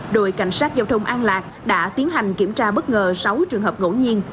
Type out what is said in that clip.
đội cảnh sát giao thông an lạc đã tiến hành kiểm tra bất ngờ sáu trường hợp ngẫu nhiên